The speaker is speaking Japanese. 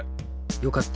よかった。